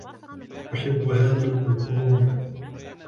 أحب هذا الألبوم.